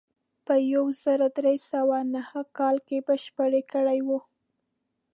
په یو زر درې سوه نهه کال کې بشپړه کړې وه.